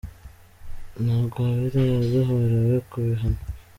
Ntagwabira yadohorewe ku bihano